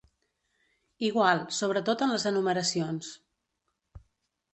Igual, sobretot en les enumeracions.